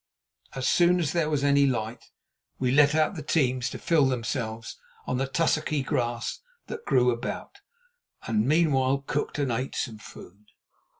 As soon as there was any light we let out the teams to fill themselves on the tussocky grass that grew about, and meanwhile cooked and ate some food.